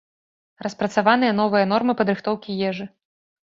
Распрацаваныя новыя нормы падрыхтоўкі ежы.